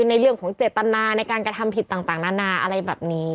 ในเรื่องของเจตนาในการกระทำผิดต่างนานาอะไรแบบนี้